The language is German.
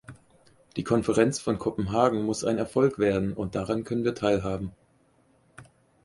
Die Konferenz von Kopenhagen muss ein Erfolg werden, und daran können wir teilhaben.